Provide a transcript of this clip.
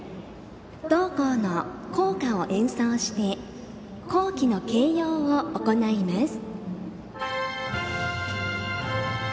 同校の校歌を演奏して校旗の掲揚を行います。